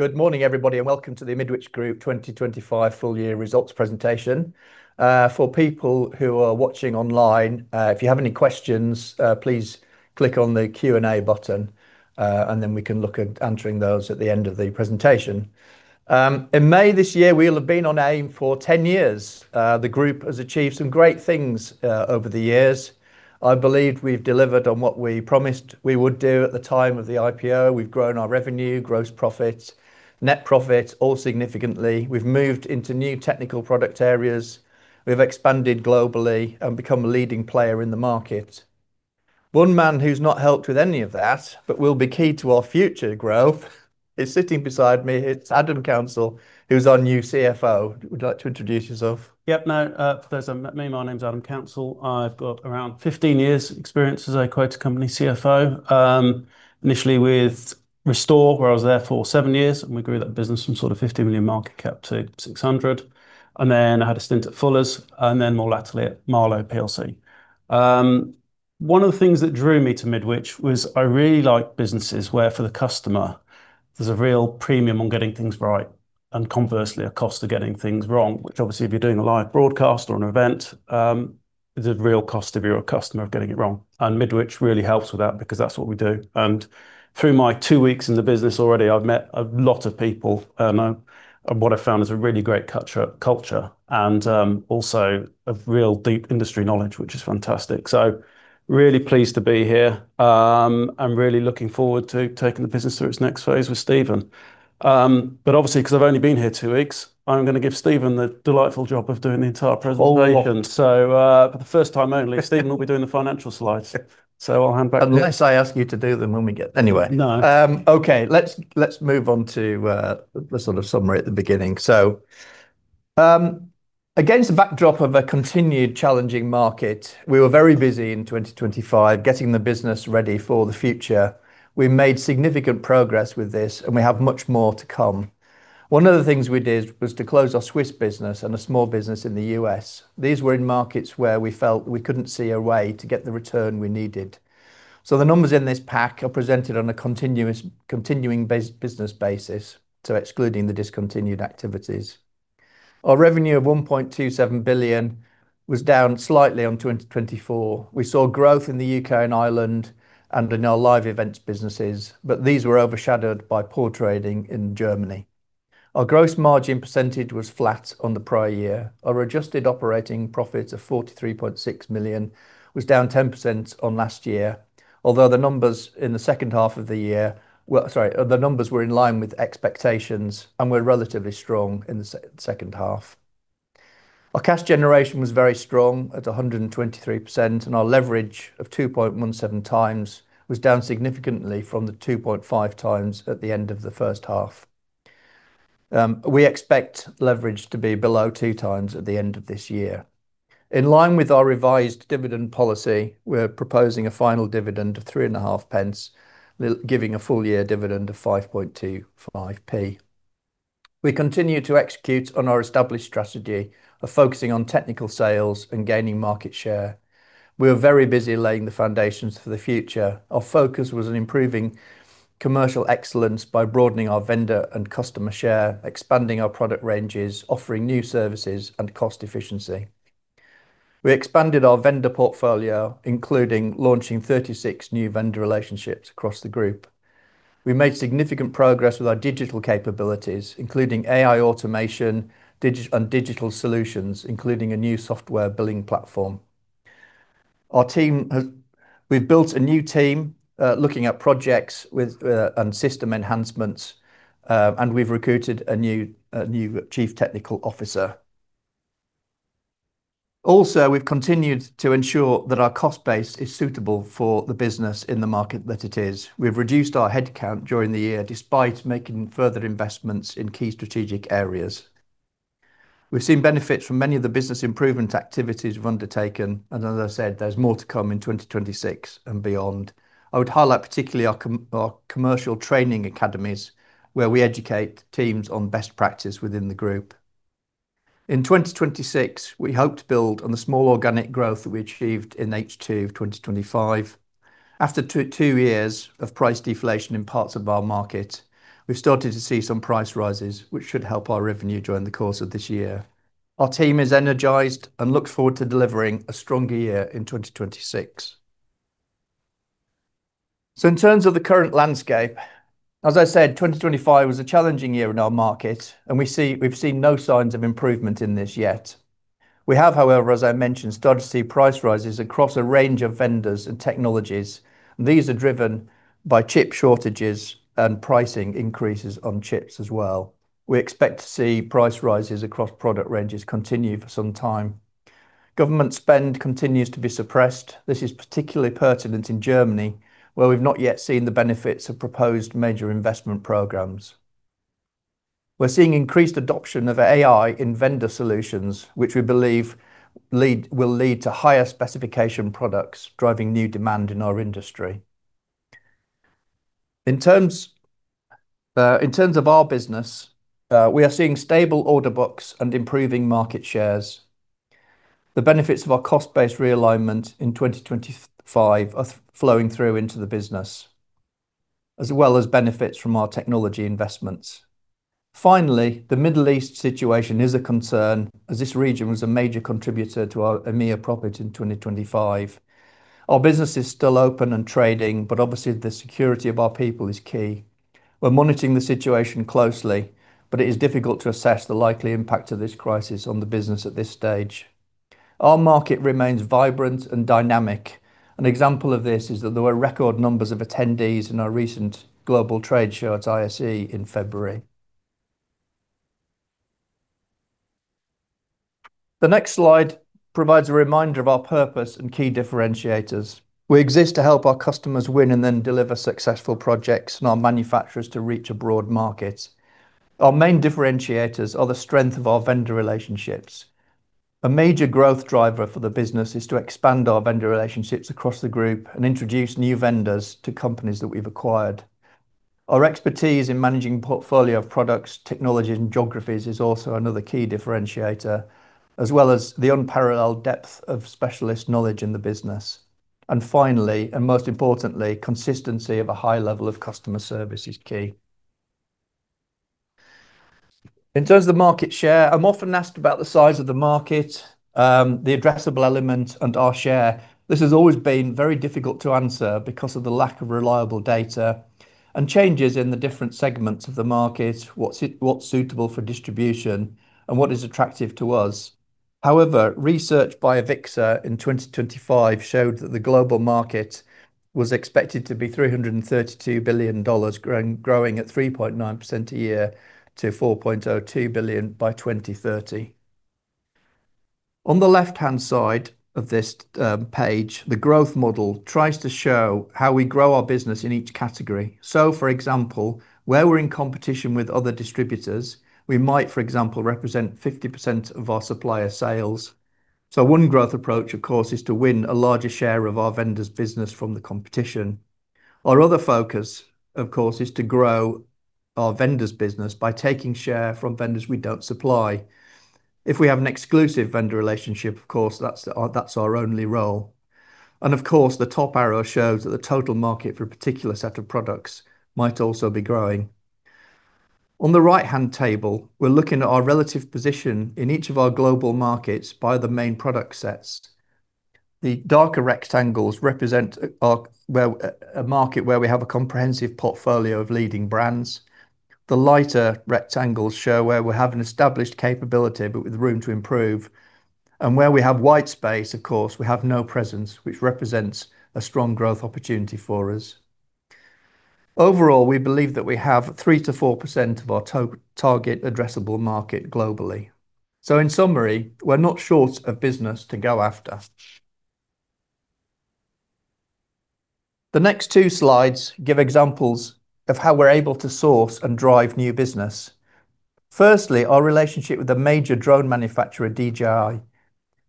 Good morning, everybody, and welcome to the Midwich Group 2025 full year results presentation. For people who are watching online, if you have any questions, please click on the Q&A button, and then we can look at answering those at the end of the presentation. In May this year, we'll have been on air for 10 years. The group has achieved some great things, over the years. I believe we've delivered on what we promised we would do at the time of the IPO. We've grown our revenue, gross profits, net profits, all significantly. We've moved into new technical product areas. We've expanded globally and become a leading player in the market. One man who's not helped with any of that, but will be key to our future growth, is sitting beside me. It's Adam Councell, who's our new CFO. Would you like to introduce yourself? My name's Adam Councell. I've got around 15 years experience as a quoted company CFO. Initially with Restore, where I was there for seven years, and we grew that business from sort of 50 million market cap to 600 million. Then I had a stint at Fuller's, and then more latterly at Marlowe plc. One of the things that drew me to Midwich was I really like businesses where for the customer, there's a real premium on getting things right, and conversely, a cost of getting things wrong, which obviously if you're doing a live broadcast or an event, there's a real cost to your customer of getting it wrong. Midwich really helps with that because that's what we do. Through my two weeks in the business already, I've met a lot of people, and what I've found is a really great culture and also a real deep industry knowledge, which is fantastic. Really pleased to be here. I'm really looking forward to taking the business through its next phase with Stephen. Obviously, because I've only been here two weeks, I'm gonna give Stephen the delightful job of doing the entire presentation. All locked. For the first time only, Stephen will be doing the financial slides. I'll hand back- Anyway. No. Let's move on to the sort of summary at the beginning. Against the backdrop of a continued challenging market, we were very busy in 2025 getting the business ready for the future. We made significant progress with this, and we have much more to come. One of the things we did was to close our Swiss business and a small business in the U.S. These were in markets where we felt we couldn't see a way to get the return we needed. The numbers in this pack are presented on a continuing business basis, excluding the discontinued activities. Our revenue of 1.27 billion was down slightly on 2024. We saw growth in the U.K. and Ireland and in our live events businesses, but these were overshadowed by poor trading in Germany. Our gross margin percentage was flat on the prior year. Our adjusted operating profits of 43.6 million was down 10% on last year. Although the numbers were in line with expectations and were relatively strong in the second half. Our cash generation was very strong at 123%, and our leverage of 2.17x was down significantly from the 2.5x at the end of the first half. We expect leverage to be below 2x at the end of this year. In line with our revised dividend policy, we're proposing a final dividend of 0.035, giving a full year dividend of 0.0525. We continue to execute on our established strategy of focusing on technical sales and gaining market share. We are very busy laying the foundations for the future. Our focus was on improving commercial excellence by broadening our vendor and customer share, expanding our product ranges, offering new services and cost efficiency. We expanded our vendor portfolio, including launching 36 new vendor relationships across the group. We made significant progress with our digital capabilities, including AI automation, on digital solutions, including a new software billing platform. We've built a new team looking at projects and system enhancements, and we've recruited a new chief technical officer. Also, we've continued to ensure that our cost base is suitable for the business in the market that it is. We've reduced our headcount during the year despite making further investments in key strategic areas. We've seen benefits from many of the business improvement activities we've undertaken, and as I said, there's more to come in 2026 and beyond. I would highlight particularly our commercial training academies, where we educate teams on best practice within the group. In 2026, we hope to build on the small organic growth that we achieved in H2 of 2025. After two years of price deflation in parts of our market, we've started to see some price rises, which should help our revenue during the course of this year. Our team is energized and looks forward to delivering a stronger year in 2026. In terms of the current landscape, as I said, 2025 was a challenging year in our market, and we've seen no signs of improvement in this yet. We have, however, as I mentioned, started to see price rises across a range of vendors and technologies. These are driven by chip shortages and pricing increases on chips as well. We expect to see price rises across product ranges continue for some time. Government spend continues to be suppressed. This is particularly pertinent in Germany, where we've not yet seen the benefits of proposed major investment programs. We're seeing increased adoption of AI in vendor solutions, which we believe will lead to higher specification products, driving new demand in our industry. In terms of our business, we are seeing stable order books and improving market shares. The benefits of our cost base realignment in 2025 are flowing through into the business, as well as benefits from our technology investments. Finally, the Middle East situation is a concern as this region was a major contributor to our EMEA profit in 2025. Our business is still open and trading, but obviously the security of our people is key. We're monitoring the situation closely, but it is difficult to assess the likely impact of this crisis on the business at this stage. Our market remains vibrant and dynamic. An example of this is that there were record numbers of attendees in our recent global trade show at ISE in February. The next slide provides a reminder of our purpose and key differentiators. We exist to help our customers win and then deliver successful projects and our manufacturers to reach a broad market. Our main differentiators are the strength of our vendor relationships. A major growth driver for the business is to expand our vendor relationships across the group and introduce new vendors to companies that we've acquired. Our expertise in managing portfolio of products, technologies and geographies is also another key differentiator, as well as the unparalleled depth of specialist knowledge in the business. Finally, and most importantly, consistency of a high level of customer service is key. In terms of market share, I'm often asked about the size of the market, the addressable element and our share. This has always been very difficult to answer because of the lack of reliable data and changes in the different segments of the market, what's suitable for distribution, and what is attractive to us. However, research by AVIXA in 2025 showed that the global market was expected to be $332 billion growing at 3.9% a year to $402 billion by 2030. On the left-hand side of this page, the growth model tries to show how we grow our business in each category. For example, where we're in competition with other distributors, we might, for example, represent 50% of our supplier sales. One growth approach, of course, is to win a larger share of our vendor's business from the competition. Our other focus, of course, is to grow our vendor's business by taking share from vendors we don't supply. If we have an exclusive vendor relationship, of course, that's our only role. Of course, the top arrow shows that the total market for a particular set of products might also be growing. On the right-hand table, we're looking at our relative position in each of our global markets by the main product sets. The darker rectangles represent a market where we have a comprehensive portfolio of leading brands. The lighter rectangles show where we have an established capability but with room to improve. Where we have white space, of course, we have no presence, which represents a strong growth opportunity for us. Overall, we believe that we have 3%-4% of our total addressable market globally. In summary, we're not short of business to go after. The next two slides give examples of how we're able to source and drive new business. Firstly, our relationship with the major drone manufacturer, DJI.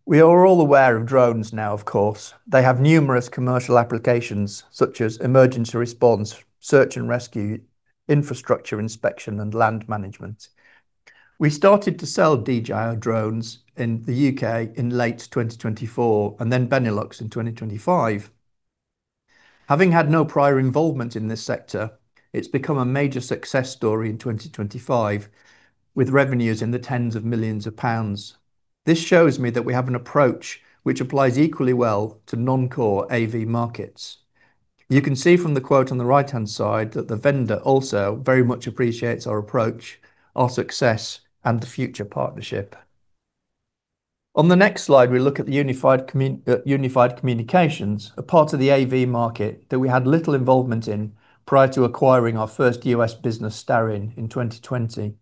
We are all aware of drones now, of course. They have numerous commercial applications such as emergency response, search and rescue, infrastructure inspection and land management. We started to sell DJI drones in the U.K. in late 2024 and then Benelux in 2025. Having had no prior involvement in this sector, it's become a major success story in 2025, with revenues in the tens of millions of pounds. This shows me that we have an approach which applies equally well to non-core AV markets. You can see from the quote on the right-hand side that the vendor also very much appreciates our approach, our success and the future partnership. On the next slide, we look at the unified communications, a part of the AV market that we had little involvement in prior to acquiring our first U.S. business, Starin, in 2020.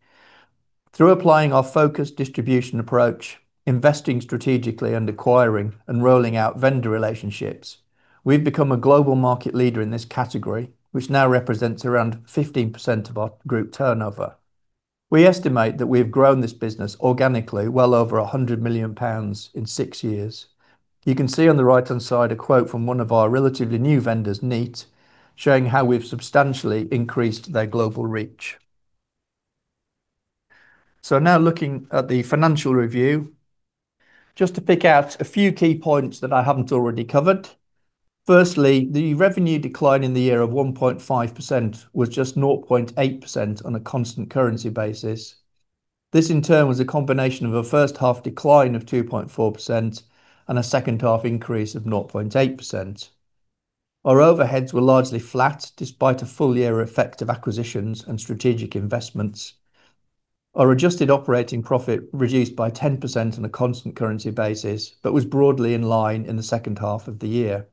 Through applying our focused distribution approach, investing strategically and acquiring and rolling out vendor relationships, we've become a global market leader in this category, which now represents around 15% of our group turnover. We estimate that we have grown this business organically well over 100 million pounds in six years. You can see on the right-hand side a quote from one of our relatively new vendors, Neat, showing how we've substantially increased their global reach. Now looking at the financial review. Just to pick out a few key points that I haven't already covered. Firstly, the revenue decline in the year of 1.5% was just 0.8% on a constant currency basis. This in turn was a combination of a first half decline of 2.4% and a second half increase of 0.8%. Our overheads were largely flat despite a full year effect of acquisitions and strategic investments. Our adjusted operating profit reduced by 10% on a constant currency basis but was broadly in line in the second half of the year.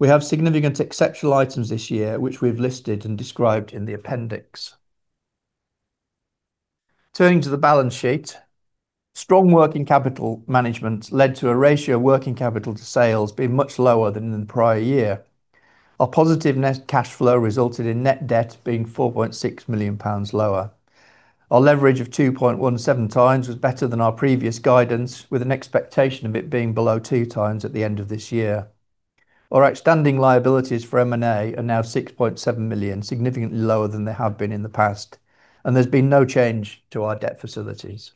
We have significant exceptional items this year, which we've listed and described in the appendix. Turning to the balance sheet. Strong working capital management led to a ratio of working capital to sales being much lower than in the prior year. Our positive net cash flow resulted in net debt being 4.6 million pounds lower. Our leverage of 2.17x was better than our previous guidance, with an expectation of it being below 2x at the end of this year. Our outstanding liabilities for M&A are now 6.7 million, significantly lower than they have been in the past, and there's been no change to our debt facilities.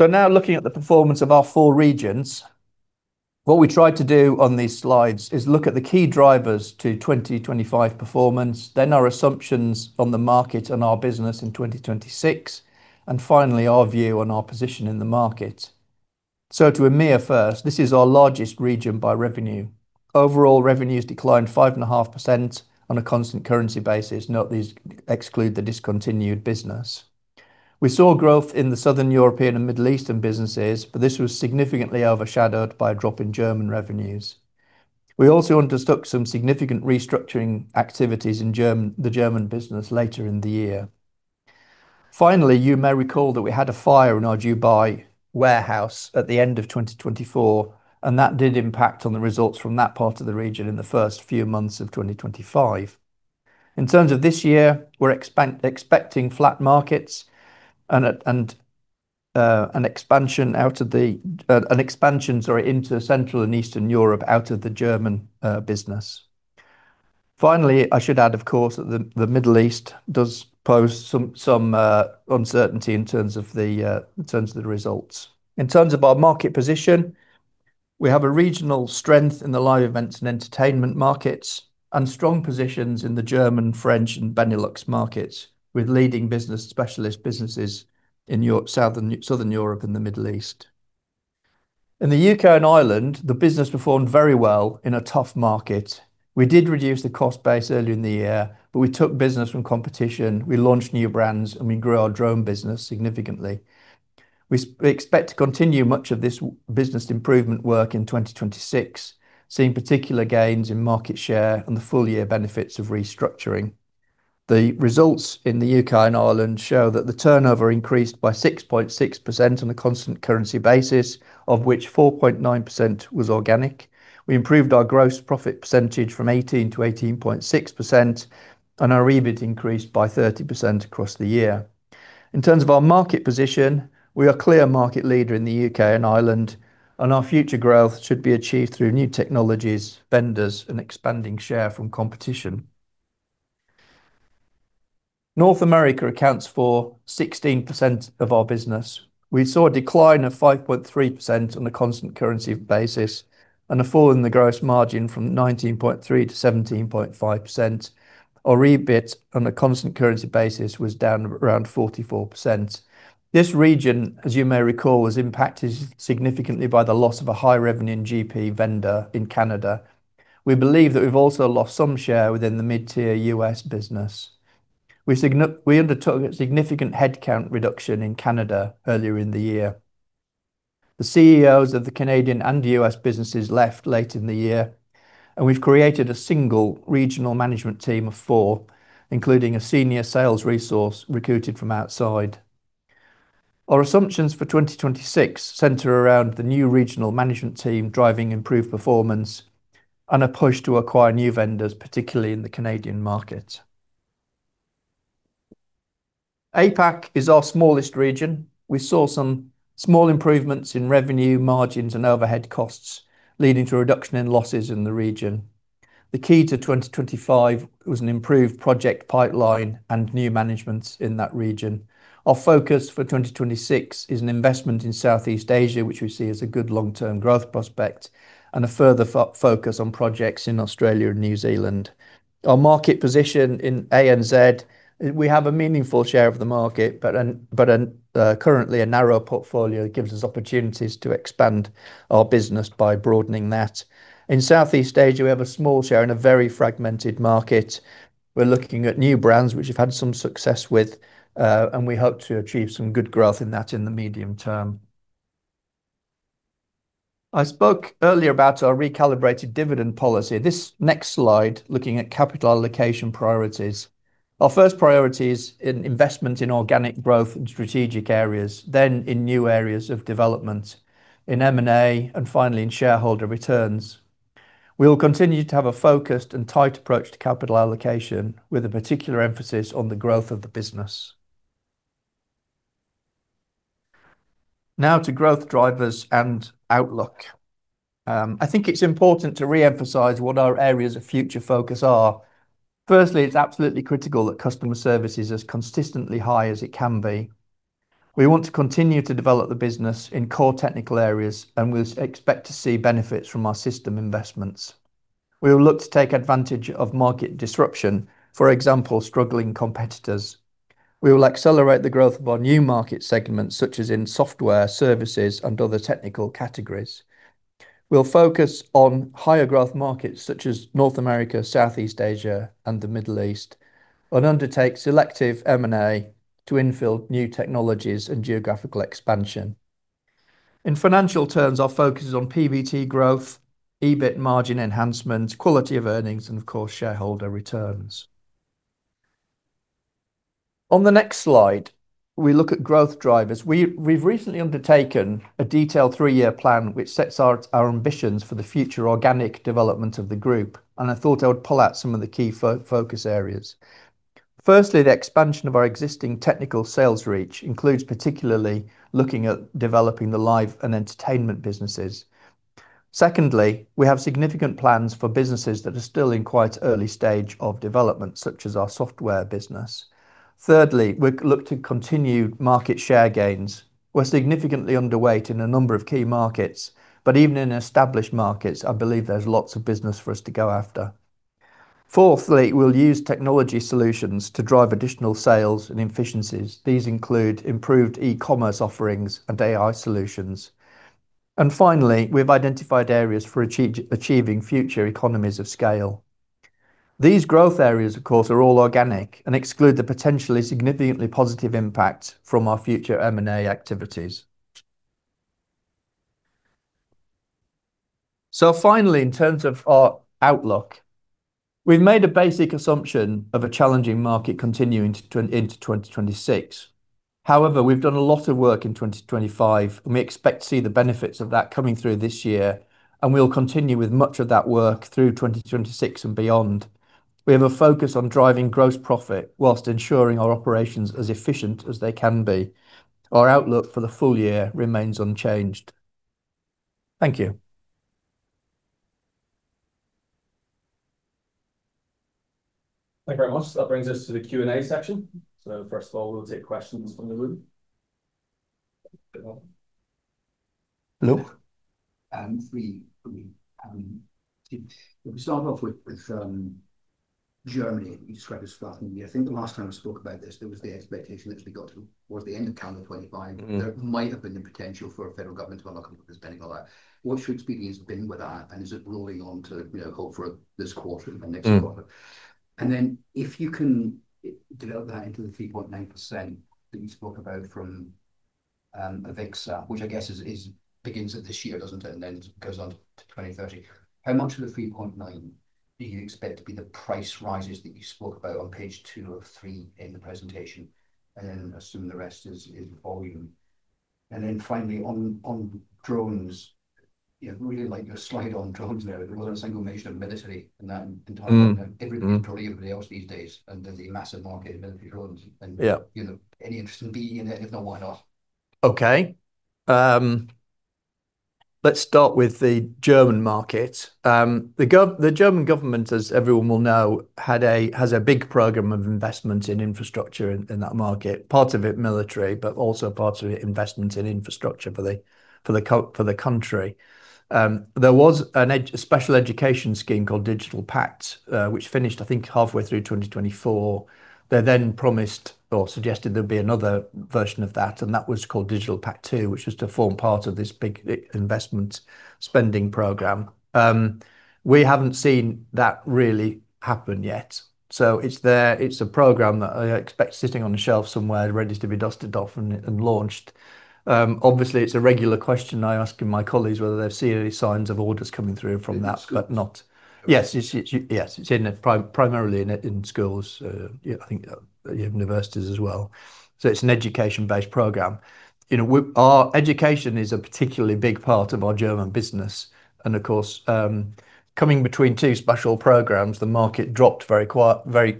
Now looking at the performance of our four regions, what we try to do on these slides is look at the key drivers to 2025 performance, then our assumptions on the market and our business in 2026, and finally, our view on our position in the market. To EMEA first, this is our largest region by revenue. Overall revenues declined 5.5% on a constant currency basis. Note these exclude the discontinued business. We saw growth in the Southern European and Middle Eastern businesses, but this was significantly overshadowed by a drop in German revenues. We also undertook some significant restructuring activities in the German business later in the year. Finally, you may recall that we had a fire in our Dubai warehouse at the end of 2024, and that did impact on the results from that part of the region in the first few months of 2025. In terms of this year, we're expecting flat markets and an expansion, sorry, into Central and Eastern Europe out of the German business. Finally, I should add, of course, that the Middle East does pose some uncertainty in terms of the results. In terms of our market position, we have a regional strength in the live events and entertainment markets, and strong positions in the German, French, and Benelux markets with leading business specialist businesses in Southern Europe and the Middle East. In the U.K. And Ireland, the business performed very well in a tough market. We did reduce the cost base earlier in the year, but we took business from competition, we launched new brands, and we grew our drone business significantly. We expect to continue much of this business improvement work in 2026, seeing particular gains in market share and the full year benefits of restructuring. The results in the U.K. And Ireland show that the turnover increased by 6.6% on a constant currency basis, of which 4.9% was organic. We improved our gross profit percentage from 18%-18.6%, and our EBIT increased by 30% across the year. In terms of our market position, we are clear market leader in the U.K. And Ireland, and our future growth should be achieved through new technologies, vendors, and expanding share from competition. North America accounts for 16% of our business. We saw a decline of 5.3% on a constant currency basis and a fall in the gross margin from 19.3%-17.5%. Our EBIT on a constant currency basis was down around 44%. This region, as you may recall, was impacted significantly by the loss of a high revenue GP vendor in Canada. We believe that we've also lost some share within the mid-tier U.S. business. We undertook a significant headcount reduction in Canada earlier in the year. The CEOs of the Canadian and U.S. businesses left late in the year, and we've created a single regional management team of four, including a senior sales resource recruited from outside. Our assumptions for 2026 center around the new regional management team driving improved performance and a push to acquire new vendors, particularly in the Canadian market. APAC is our smallest region. We saw some small improvements in revenue margins and overhead costs, leading to a reduction in losses in the region. The key to 2025 was an improved project pipeline and new managements in that region. Our focus for 2026 is an investment in Southeast Asia, which we see as a good long-term growth prospect and a further focus on projects in Australia and New Zealand. Our market position in ANZ, we have a meaningful share of the market, but currently a narrow portfolio gives us opportunities to expand our business by broadening that. In Southeast Asia, we have a small share in a very fragmented market. We're looking at new brands which we've had some success with, and we hope to achieve some good growth in that in the medium term. I spoke earlier about our recalibrated dividend policy. This next slide looking at capital allocation priorities. Our first priority is in investment in organic growth in strategic areas, then in new areas of development, in M&A, and finally in shareholder returns. We will continue to have a focused and tight approach to capital allocation, with a particular emphasis on the growth of the business. Now to growth drivers and outlook. I think it's important to re-emphasize what our areas of future focus are. Firstly, it's absolutely critical that customer service is as consistently high as it can be. We want to continue to develop the business in core technical areas, and we expect to see benefits from our system investments. We will look to take advantage of market disruption, for example, struggling competitors. We will accelerate the growth of our new market segments, such as in software, services, and other technical categories. We'll focus on higher growth markets such as North America, Southeast Asia, and the Middle East, and undertake selective M&A to infill new technologies and geographical expansion. In financial terms, our focus is on PBT growth, EBIT margin enhancement, quality of earnings, and of course, shareholder returns. On the next slide, we look at growth drivers. We've recently undertaken a detailed three-year plan which sets our ambitions for the future organic development of the group, and I thought I would pull out some of the key focus areas. Firstly, the expansion of our existing technical sales reach includes particularly looking at developing the live and entertainment businesses. Secondly, we have significant plans for businesses that are still in quite early stage of development, such as our software business. Thirdly, we look to continue market share gains. We're significantly underweight in a number of key markets, but even in established markets, I believe there's lots of business for us to go after. Fourthly, we'll use technology solutions to drive additional sales and efficiencies. These include improved e-commerce offerings and AI solutions. Finally, we've identified areas for achieving future economies of scale. These growth areas, of course, are all organic and exclude the potentially significantly positive impact from our future M&A activities. Finally, in terms of our outlook, we've made a basic assumption of a challenging market continuing into 2026. However, we've done a lot of work in 2025, and we expect to see the benefits of that coming through this year, and we'll continue with much of that work through 2026 and beyond. We have a focus on driving gross profit while ensuring our operations as efficient as they can be. Our outlook for the full year remains unchanged. Thank you. Thank you very much. That brings us to the Q&A section. First of all, we'll take questions from the room. Hello. Three for me. If we start off with Germany, you described it as flat. I think the last time we spoke about this, there was the expectation that if we got to towards the end of calendar 2025. Mm-hmm. There might have been the potential for a federal government to ramp up the spending on that. What's your experience been with that, and is it rolling on to, you know, call for this quarter and the next quarter? Mm. If you can develop that into the 3.9% that you spoke about from AVIXA, which I guess begins this year, doesn't it, and then goes on to 2030. How much of the 3.9% do you expect to be the price rises that you spoke about on page two of three in the presentation? Assume the rest is volume. Finally on drones, you know, really like your slide on drones there. There wasn't a single mention of military in that entire- Mm. Mm. Everybody's controlling everybody else these days, and there'll be a massive market in military drones. Yeah. You know. Any interest in being in it? If not, why not? Let's start with the German market. The German government, as everyone will know, has a big program of investment in infrastructure in that market, part of it military, but also part of it investment in infrastructure for the country. There was a special education scheme called DigitalPakt, which finished, I think, halfway through 2024. They then promised or suggested there'd be another version of that, and that was called DigitalPakt 2.0, which was to form part of this big investment spending program. We haven't seen that really happen yet. It's there. It's a program that I expect sitting on a shelf somewhere ready to be dusted off and launched. Obviously, it's a regular question I ask my colleagues whether they've seen any signs of orders coming through from that but not- In schools. Yes. It's primarily in schools, I think universities as well. It's an education-based program. You know, education is a particularly big part of our German business and of course, coming between two special programs, the market dropped very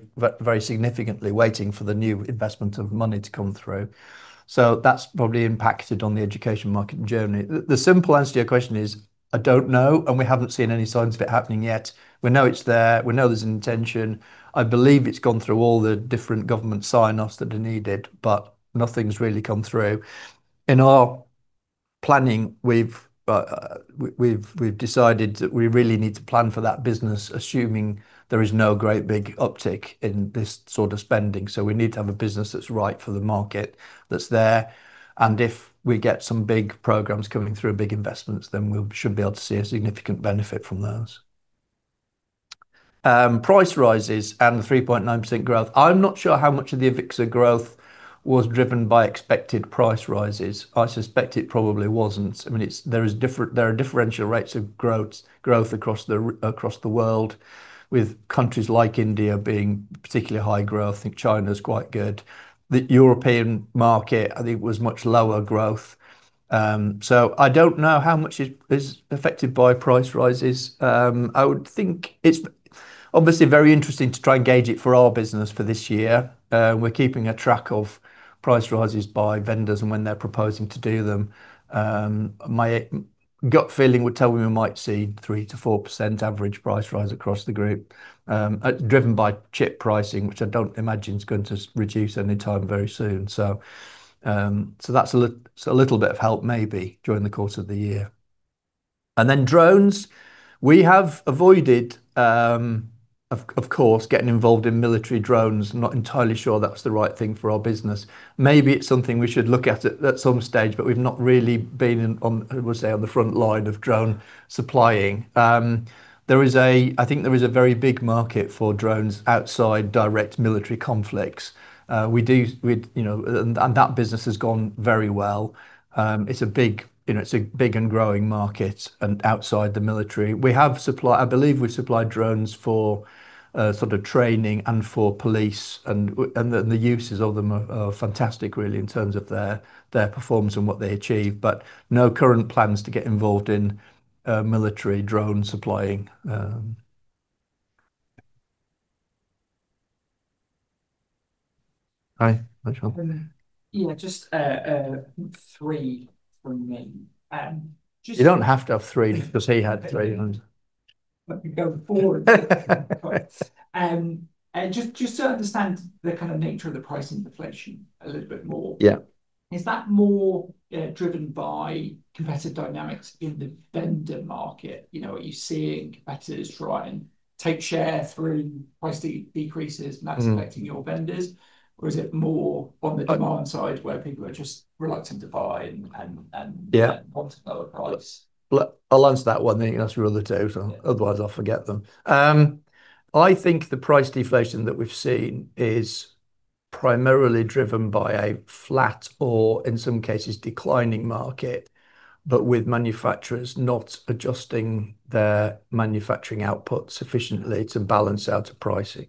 significantly waiting for the new investment of money to come through. That's probably impacted on the education market in Germany. The simple answer to your question is, I don't know, and we haven't seen any signs of it happening yet. We know it's there. We know there's an intention. I believe it's gone through all the different government sign-offs that are needed, but nothing's really come through. In our planning, we've decided that we really need to plan for that business, assuming there is no great big uptick in this sort of spending. We need to have a business that's right for the market that's there, and if we get some big programs coming through, big investments, then we should be able to see a significant benefit from those. Price rises and the 3.9% growth, I'm not sure how much of the AVIXA growth was driven by expected price rises. I suspect it probably wasn't. I mean, there are differential rates of growth across the world, with countries like India being particularly high growth. I think China's quite good. The European market, I think, was much lower growth. I don't know how much is affected by price rises. I would think it's obviously very interesting to try and gauge it for our business for this year. We're keeping a track of price rises by vendors and when they're proposing to do them. My gut feeling would tell me we might see 3%-4% average price rise across the group, driven by chip pricing, which I don't imagine is going to reduce any time very soon. That's a little bit of help maybe during the course of the year. Drones, we have avoided, of course, getting involved in military drones. I'm not entirely sure that's the right thing for our business. Maybe it's something we should look at some stage, but we've not really been on the front line of drone supplying. I think there is a very big market for drones outside direct military conflicts. You know, that business has gone very well. It's a big and growing market and outside the military. We have supplied, I believe we supplied drones for sort of training and for police and the uses of them are fantastic really in terms of their performance and what they achieve, but no current plans to get involved in military drone supplying. Hi, Sean. Yeah, just three from me. You don't have to have 3 because he had 300. Let me go forward. Right. Just so I understand the kind of nature of the pricing deflation a little bit more. Yeah. Is that more driven by competitive dynamics in the vendor market? You know, are you seeing competitors try and take share through price decreases? Mm. that's affecting your vendors? Or is it more on the demand side where people are just reluctant to buy and Yeah Want to lower price? Look, I'll answer that one then you can ask me the other two. Yeah Otherwise I'll forget them. I think the price deflation that we've seen is primarily driven by a flat or in some cases declining market, but with manufacturers not adjusting their manufacturing output sufficiently to balance out the pricing.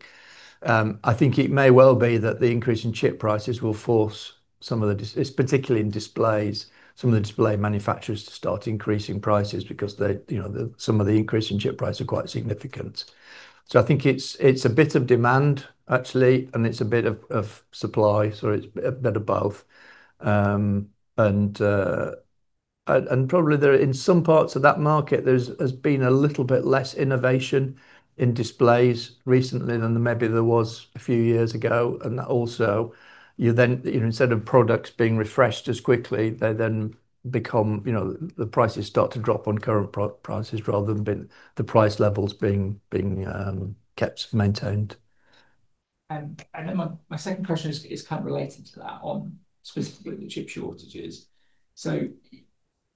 I think it may well be that the increase in chip prices will force some of the, it's particularly in displays, some of the display manufacturers to start increasing prices because they, you know, some of the increase in chip prices are quite significant. I think it's a bit of demand actually, and it's a bit of supply, so it's a bit of both. Probably there in some parts of that market there's been a little bit less innovation in displays recently than maybe there was a few years ago. That also, you know, instead of products being refreshed as quickly, they then become, you know, the prices start to drop on current prices rather than the price levels being kept maintained. My second question is kind of related to that on specifically the chip shortages.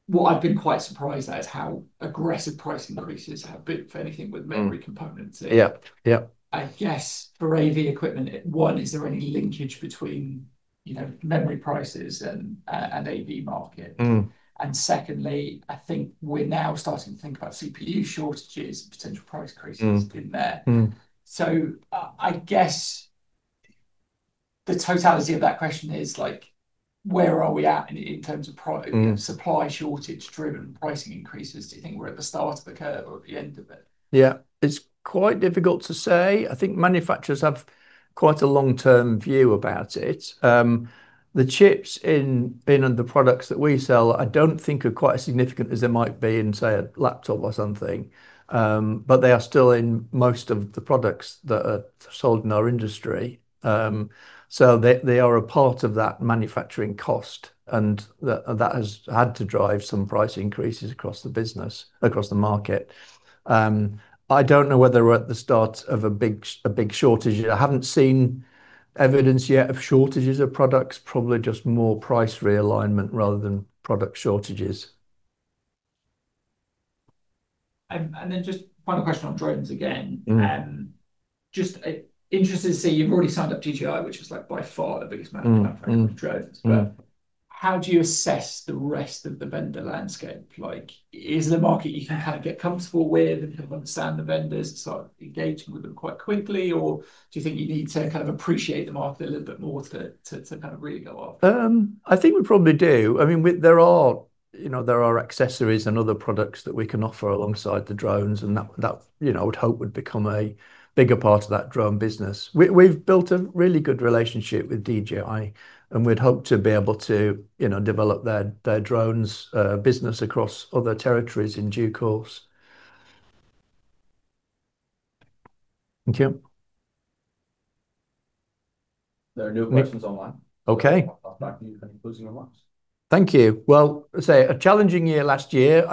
What I've been quite surprised at is how aggressive price increases have been for anything with memory components. Yeah. Yeah. I guess for AV equipment, one, is there any linkage between, you know, memory prices and AV market? Mm. Secondly, I think we're now starting to think about CPU shortages and potential price increases in there. Mm. Mm. I guess the totality of that question is like where are we at in terms of pri- Mm Supply shortage driven pricing increases? Do you think we're at the start of the curve or at the end of it? Yeah. It's quite difficult to say. I think manufacturers have quite a long-term view about it. The chips in the products that we sell I don't think are quite as significant as they might be in, say, a laptop or something. But they are still in most of the products that are sold in our industry. So they are a part of that manufacturing cost, and that has had to drive some price increases across the business, across the market. I don't know whether we're at the start of a big shortage yet. I haven't seen evidence yet of shortages of products. Probably just more price realignment rather than product shortages. just final question on drones again. Mm. Just interested to see, you've already signed up DJI, which is like by far the biggest manufacturer. Mm. Mm of drones. Mm. How do you assess the rest of the vendor landscape? Like is the market you can kind of get comfortable with and kind of understand the vendors and start engaging with them quite quickly, or do you think you need to kind of appreciate the market a little bit more to kind of really go after? I think we probably do. I mean, there are, you know, accessories and other products that we can offer alongside the drones and that, you know, I would hope would become a bigger part of that drone business. We've built a really good relationship with DJI, and we'd hope to be able to, you know, develop their drones business across other territories in due course. Thank you. There are no more questions online. Okay. I'll ask you if you have any closing remarks. Thank you. Well, as I say, a challenging year last year. A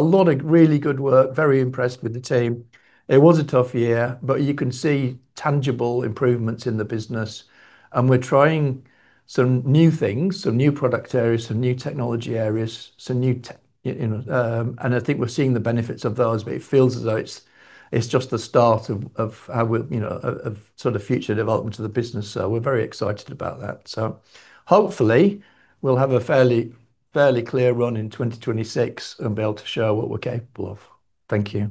lot of really good work, very impressed with the team. It was a tough year, but you can see tangible improvements in the business, and we're trying some new things, some new product areas, some new technology areas, you know, and I think we're seeing the benefits of those, but it feels as though it's just the start of how we're, you know, sort of future development of the business. We're very excited about that. Hopefully we'll have a fairly clear run in 2026 and be able to show what we're capable of. Thank you.